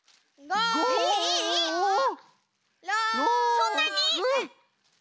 そんなに！？